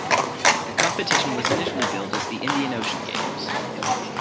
The competition was initially billed as the Indian Ocean Games.